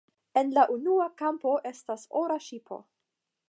En la unua kampo estas ora ŝipo.